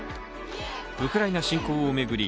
ウクライナ侵攻を巡り